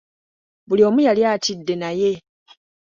Buli omu yali atidde naye